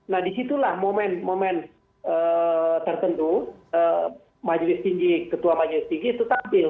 nah disitulah momen momen tertentu majelis tinggi ketua majelis tinggi itu tampil